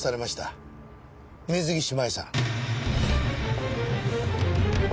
水岸麻衣さん。